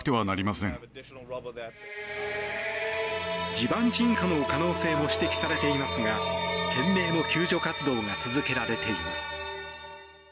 地盤沈下の可能性も指摘されていますが懸命の救助活動が続けられています。